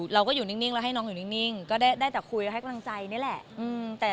เราก็อยู่นิ่งแล้วให้น้องอยู่นิ่งก็ได้แต่คุยให้กำลังใจนี่แหละ